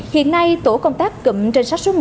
hiện nay tổ công tác cụm trinh sát số một